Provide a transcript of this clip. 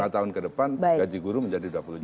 lima tahun ke depan gaji guru menjadi dua puluh lima